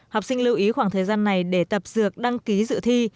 học sinh lưu ý khoảng thời gian này để tập dược đăng ký dự thi